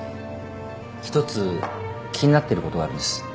一つ気になっていることがあるんです。